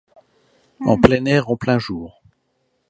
En plein air, en plein jour !